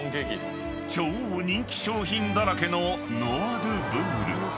［超人気商品だらけのノワ・ドゥ・ブール］